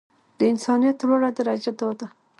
د انسانيت لوړه درجه دا ده.